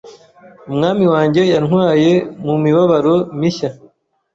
Umwami wanjye yantwaye mu mibabaro mishya